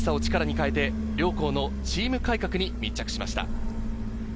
悔しさを力に変えて両校のチーム改革に密着しました。